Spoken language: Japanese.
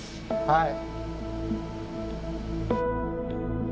はい。